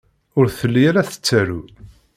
Ur telli ara tettaru.